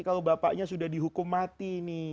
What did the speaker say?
kalau bapaknya sudah dihukum mati nih